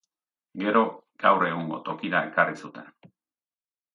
Gero, gaur egungo tokira ekarri zuten.